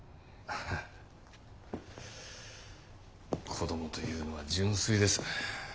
子供というのは純粋です。